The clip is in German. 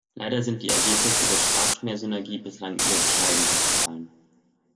Leider sind die Ergebnisse der Schwarzmeersynergie bislang eher bescheiden ausgefallen.